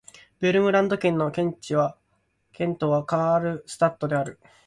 ヴェルムランド県の県都はカールスタッドである